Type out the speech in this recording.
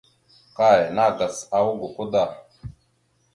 Kay nàgas awak gakwa da.